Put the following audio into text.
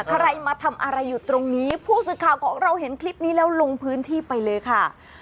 ใครมาทำอะไรอยู่ตรงนี้ผู้สื่อข่าวของเราเห็นคลิปนี้แล้วลงพื้นที่ไปเลยค่ะ